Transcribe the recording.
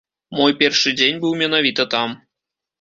Мой першы дзень быў менавіта там.